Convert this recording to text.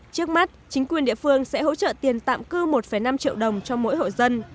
trước mắt chính quyền địa phương sẽ hỗ trợ tiền tạm cư một năm triệu đồng cho mỗi hộ dân